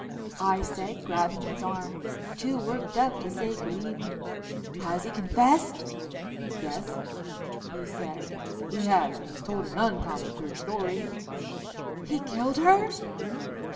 I said, grabbing his arm, too worked up to say good evening, "has he confessed?" "Yes," he said, "he has and he's told an uncommon queer story." "He killed her?"